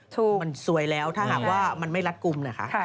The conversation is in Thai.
ถูกค่ะสวยแล้วถ้ามันไม่รัดกลุ่ม